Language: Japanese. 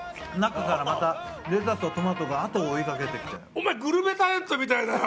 お前グルメタレントみたいだよ！